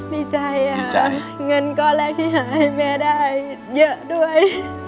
ดีใจค่ะเงินก้อนแรกที่หาให้แม่ได้เยอะด้วย